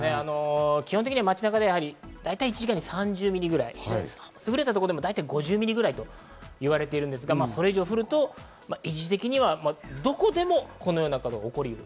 基本的には街中では１時間に３０ミリくらい、すぐれたところでも５０ミリくらいと言われているんですが、それ以上降ると一時的にはどこでもこのような事が起こりうる。